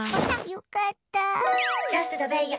良かった。